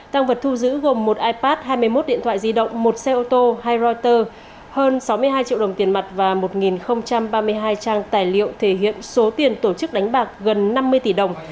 tăng vật thu giữ gồm một ipad hai mươi một điện thoại di động một xe ô tô hai reuters hơn sáu mươi hai triệu đồng tiền mặt và một ba mươi hai trang tài liệu thể hiện số tiền tổ chức đánh bạc gần năm mươi tỷ đồng